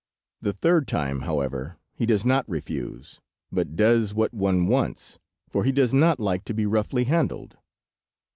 The third time, however, he does not refuse, but does what one wants, for he does not like to be roughly handled."